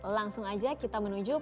langsung aja kita menuju